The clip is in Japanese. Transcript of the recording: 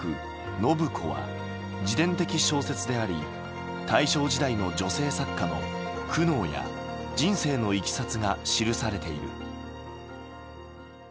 「伸子」は自伝的小説であり大正時代の女性作家の苦悩や人生のいきさつが記されている。